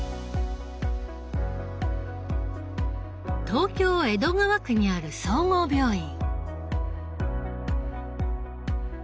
東京江戸川区にある総合病院。